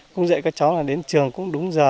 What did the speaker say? cũng dạy các cháu đến trường cũng đúng giờ